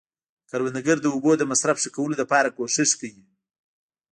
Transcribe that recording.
کروندګر د اوبو د مصرف ښه کولو لپاره کوښښ کوي